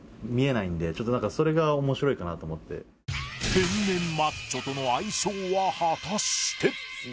天然マッチョとの相性は果たして